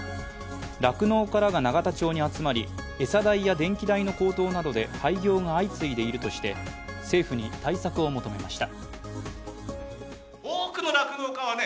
酪農家らが永田町に集まり、餌代や電気代の高騰などで廃業が相次いでいるとして政府に対策を求めました。